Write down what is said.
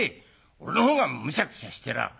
俺のほうがむしゃくしゃしてらぁ。